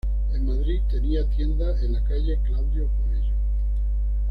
En Madrid, tenía tienda en la calle Claudio Coello.